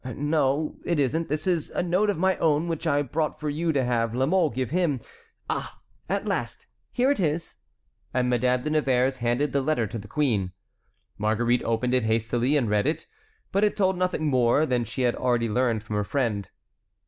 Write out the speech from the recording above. No, it isn't, that is a note of my own which I brought for you to have La Mole give him. Ah! at last, here it is." And Madame de Nevers handed the letter to the queen. Marguerite opened it hastily and read it; but it told nothing more than she had already learned from her friend.